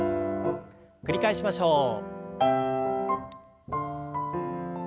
繰り返しましょう。